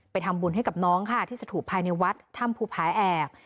ทำบุญให้กับน้องค่ะที่สถูปภายในวัดถ้ำภูผาแอก